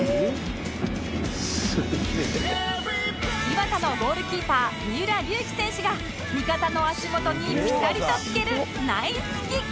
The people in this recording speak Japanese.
磐田のゴールキーパー三浦龍輝選手が味方の足元にピタリとつけるナイスキック！